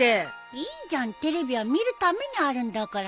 いいじゃんテレビは見るためにあるんだから。